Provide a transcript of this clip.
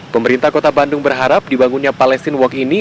pemerintah kota bandung berharap dibangunnya palestine walk ini